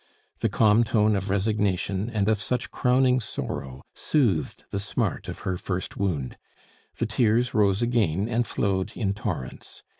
The calm tone of resignation and of such crowning sorrow soothed the smart of her first wound; the tears rose again and flowed in torrents.